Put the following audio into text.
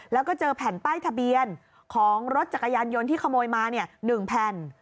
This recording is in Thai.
แล้วก็เจอแผ่นป้ายทะเบียนของรถจักรยานยนต์ที่ขโมยมา๑แผ่น